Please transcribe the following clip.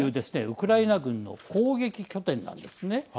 ウクライナ軍の攻撃拠点なんですね。